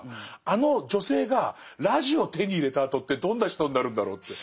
あの女性がラジオを手に入れたあとってどんな人になるんだろうって。